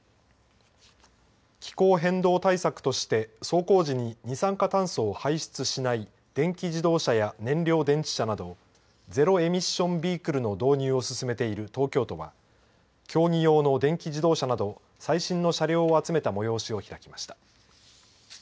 気候変動対策として走行時に二酸化炭素を排出しない電気自動車や燃料電池車などゼロ・エミッション・ビークルの導入を進めている東京都は競技用の電気自動車など最新の車両を集めた催しを開きました。